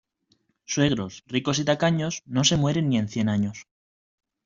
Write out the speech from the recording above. Suegros, ricos y tacaños, no se mueren ni en cien años.